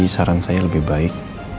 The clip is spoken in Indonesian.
saran saya lebih baik